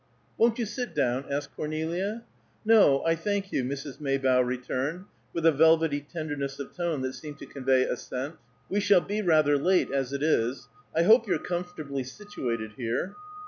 "Won't you sit down?" asked Cornelia. "No, I thank you," Mrs. Maybough returned, with a velvety tenderness of tone that seemed to convey assent. "We shall be rather late, as it is. I hope you're comfortably situated here."